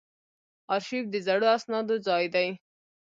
ارشیف د زړو اسنادو ځای دی